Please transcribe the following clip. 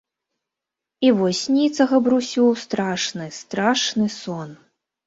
I вось снiцца Габрусю страшны, страшны сон...